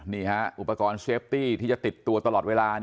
นี่ฮะอุปกรณ์เซฟตี้ที่จะติดตัวตลอดเวลา